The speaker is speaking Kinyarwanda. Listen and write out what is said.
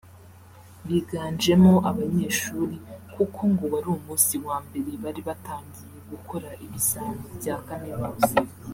biganjemo abanyeshuri kuko ngo wari umunsi wa mbere bari batangiye gukora ibizami bya Kaminuza